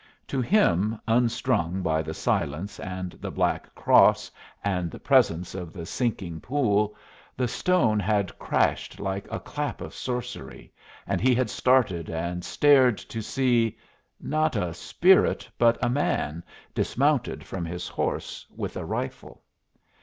To him, unstrung by the silence and the Black Cross and the presence of the sinking pool, the stone had crashed like a clap of sorcery, and he had started and stared to see not a spirit, but a man, dismounted from his horse, with a rifle.